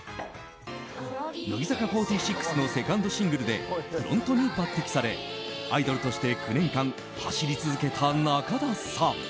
乃木坂４６のセカンドシングルでフロントに抜擢されアイドルとして９年間走り続けた中田さん。